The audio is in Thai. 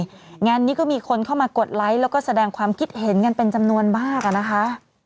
งานนี้ก็มีคนเข้ามากดไลค์แล้วก็แสดงความคิดเห็นกันเป็นจำนวนมากอะนะคะ